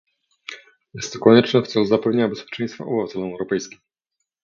Jest to konieczne w celu zapewnienia bezpieczeństwa obywatelom europejskim